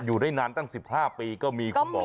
อยู่ได้นานตั้ง๑๕ปีก็มีคุณหมอ